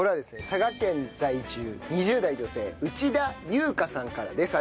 佐賀県在住２０代女性内田優花さんからです。